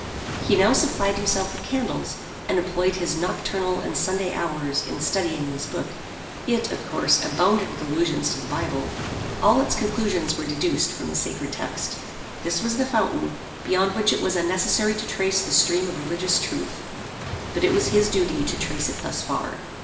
He now supplied himself with candles, and employed his nocturnal and Sunday hours in studying this book. It, of course, abounded with allusions to the Bible. All its conclusions were deduced from the sacred text. This was the fountain, beyond which it was unnecessary to trace the stream of religious truth; but it was his duty to trace it thus far.